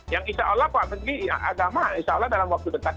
yang insya allah pak menteri agama insya allah dalam waktu dekat